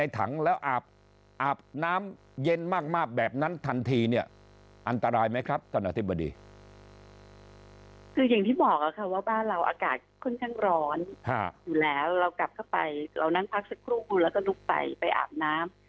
อยู่แล้วเรากลับเข้าไปเรานั่งพักสักครู่แล้วก็ลุกไปไปอาบน้ำ